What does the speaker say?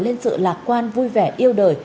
lên sự lạc quan vui vẻ yêu đời